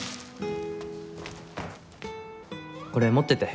これ持ってて。